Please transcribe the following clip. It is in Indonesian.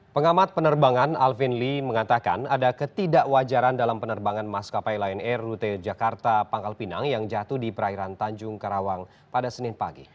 pengamat penerbangan alvin lee mengatakan ada ketidakwajaran dalam penerbangan maskapai lion air rute jakarta pangkal pinang yang jatuh di perairan tanjung karawang pada senin pagi